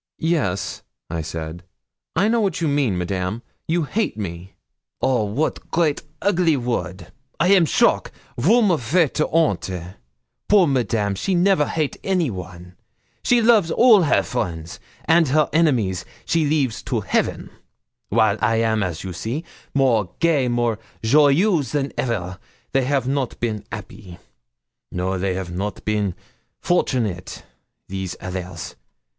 'Yes,' I said; 'I know what you mean, Madame you hate me.' 'Oh! wat great ogly word! I am shock! vous me faites honte. Poor Madame, she never hate any one; she loves all her friends, and her enemies she leaves to Heaven; while I am, as you see, more gay, more joyeuse than ever, they have not been 'appy no, they have not been fortunate these others.